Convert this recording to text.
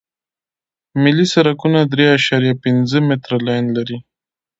ملي سرکونه درې اعشاریه پنځه متره لاین لري